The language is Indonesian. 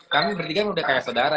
kami bertiga udah kayak saudara